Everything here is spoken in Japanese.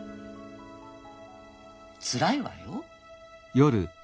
つらいわよ。